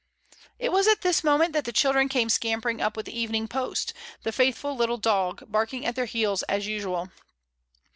It was at this moment that the children came scampering up with the evening post; the faithful little dog barking at their heels as usual.